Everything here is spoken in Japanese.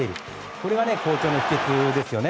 これが好調の秘訣ですよね。